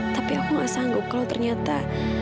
tapi aku gak sanggup kalau ternyata